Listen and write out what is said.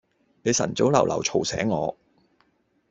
你晨早流流嘈醒我